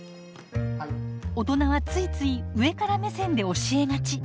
大人はついつい上から目線で教えがち。